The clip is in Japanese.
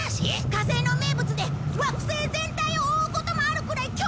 火星の名物で惑星全体を覆うこともあるくらい強烈な嵐なんだ！